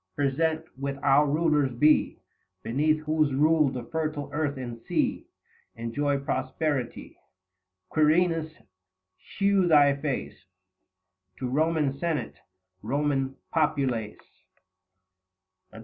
present with our rulers be ; Beneath whose rule the fertile earth and sea 75 Enjoy prosperity : Quirinus shew thy face To Koman Senate, Roman populace ; b 2 4 THE FASTI.